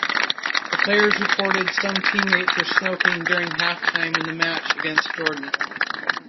The players reported some teammates were smoking during halftime in the match against Jordan.